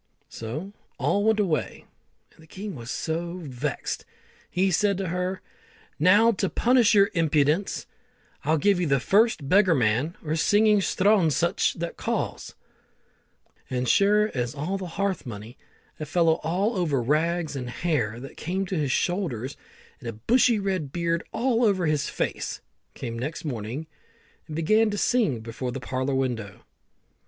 So all went away, and the king was so vexed, he said to her, "Now to punish your impudence, I'll give you to the first beggarman or singing sthronshuch that calls;" and, as sure as the hearth money, a fellow all over rags, and hair that came to his shoulders, and a bushy red beard all over his face, came next morning, and began to sing before the parlour window.